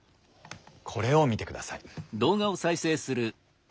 これを見てください。